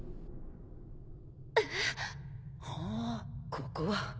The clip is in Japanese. ここは？